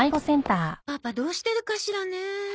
パパどうしてるかしらね。